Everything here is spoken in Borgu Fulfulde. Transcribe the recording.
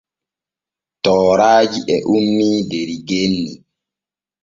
Tooraaji e ummii der genni.